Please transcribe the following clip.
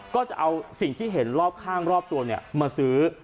ก็จะเอาสิ่งที่เห็นรอบข้างรอบตัวมาซื้อ